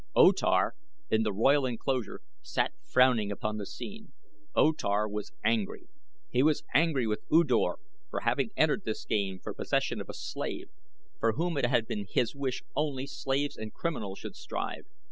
O Tar, in the royal enclosure, sat frowning upon the scene. O Tar was angry. He was angry with U Dor for having entered this game for possession of a slave, for whom it had been his wish only slaves and criminals should strive.